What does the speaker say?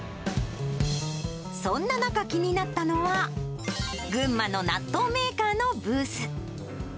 そんな中、気になったのは、群馬の納豆メーカーのブース。